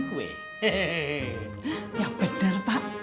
kue hehehe yang bener pak